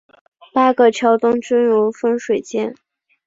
八个桥墩均有分水尖。